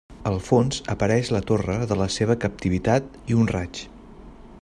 Al fons apareix la torre de la seva captivitat i un raig.